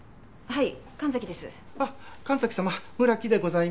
はい。